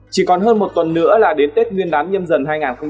chỉ còn hơn một tuần nữa là đến tết nguyên đán nhâm dần hai nghìn hai mươi bốn